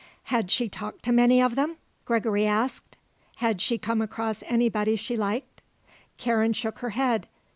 Had she talked to many of them? Gregory asked. Had she come across anybody she liked? Karen shook her head.